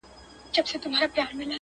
بگوت گيتا د هندوانو مذهبي کتاب؛